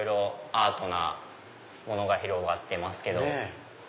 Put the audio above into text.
アートなものが広がってますけど。